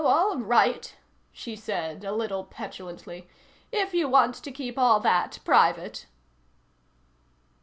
"Oh, all right," she said, a little petulantly. "If you want to keep all that private."